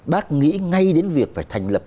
bác nghĩ ngay đến việc phải thành lập